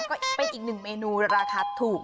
ก็เป็นอีกหนึ่งเมนูราคาถูก